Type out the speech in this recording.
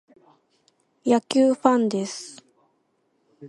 野球ファンです。